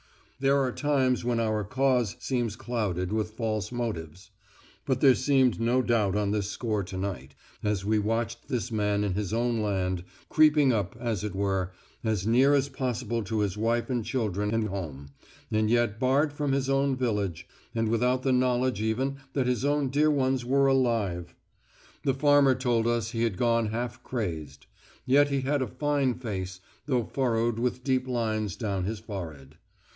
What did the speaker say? There are times when our cause seems clouded with false motives; but there seemed no doubt on this score to night, as we watched this man in his own land, creeping up, as it were, as near as possible to his wife and children and home, and yet barred from his own village, and without the knowledge even that his own dear ones were alive. The farmer told us he had gone half crazed. Yet he had a fine face, though furrowed with deep lines down his forehead.